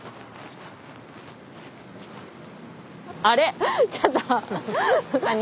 あれ？